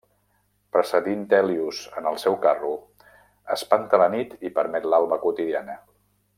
Precedint Hèlios en el seu carro, espanta la nit i permet l'alba quotidiana.